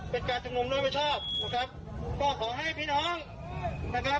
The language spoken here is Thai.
เป็นการชุมนุมโดยไม่ชอบนะครับก็ขอให้พี่น้องนะครับ